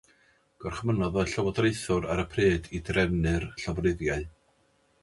Gorchmynnodd y llywodraethwr ar y pryd i drefnu'r llofruddiadau.